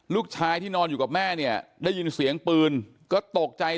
ลูกชายที่นอนอยู่กับแม่เนี่ยได้ยินเสียงปืนก็ตกใจ